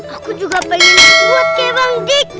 aku juga pengen kuat kayak bang dik